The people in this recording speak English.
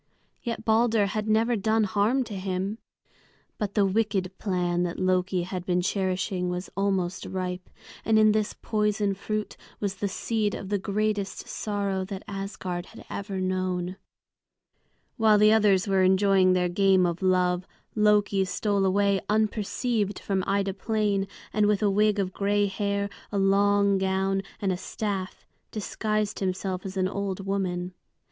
Yet Balder had never done harm to him. But the wicked plan that Loki had been cherishing was almost ripe, and in this poison fruit was the seed of the greatest sorrow that Asgard had ever known. [Illustration: EACH ARROW OVERSHOT HIS HEAD] While the others were enjoying their game of love, Loki stole away unperceived from Ida Plain, and with a wig of gray hair, a long gown, and a staff, disguised himself as an old woman.